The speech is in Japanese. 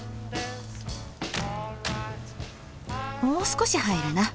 もう少し入るな。